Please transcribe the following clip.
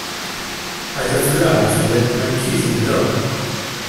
I just realized I left my keys in the door!